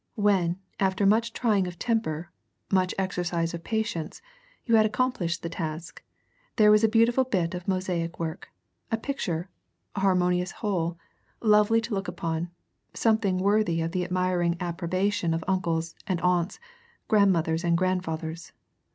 When, after much trying of temper, much exercise of patience, you had accomplished the task, there was a beautiful bit of mosaic work, a picture, a harmonious whole, lovely to look upon, something worthy of the admiring approbation of uncles and aunts, grandmothers and grandfathers.